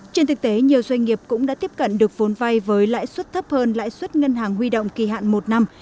trên thực tế nhiều doanh nghiệp cũng đã tiếp cận được vốn vay với lãi suất thấp hơn lãi suất ngân hàng huy động kỳ hạn một năm